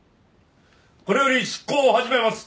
これより執行を始めます！